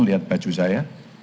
lihat baju saya